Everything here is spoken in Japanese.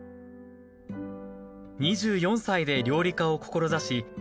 ２４歳で料理家を志し